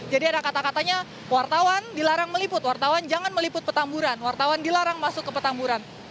jadi ada kata katanya wartawan dilarang meliput wartawan jangan meliput petamburan wartawan dilarang masuk ke petamburan